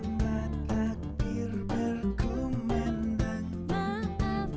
ucapkan salam kemenangan